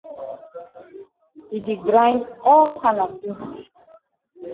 E di grind all kana tin.